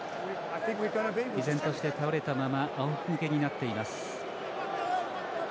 依然として、倒れたままあおむけになっています。